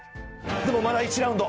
でもまだ１ラウンド！